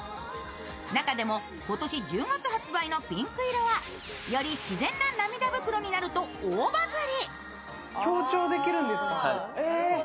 中でも今年１０月発売のピンク色はより自然な涙袋になると大バズり。